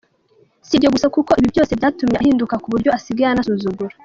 Si ibyo gusa kuko ibi byose byatumye ahinduka ku buryo asigaye anansuzugura.